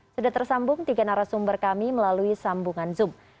sudah tersambung tiga narasumber kami melalui sambungan zoom